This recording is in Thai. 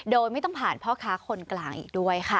โดยไม่ต้องผ่านพ่อค้าคนกลางอีกด้วยค่ะ